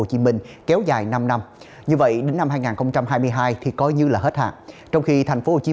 hồ chí minh kéo dài năm năm như vậy đến năm hai nghìn hai mươi hai thì coi như là hết hạn trong khi thành phố hồ chí